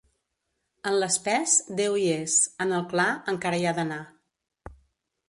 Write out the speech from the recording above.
En l'espès Déu hi és; en el clar encara hi ha d'anar.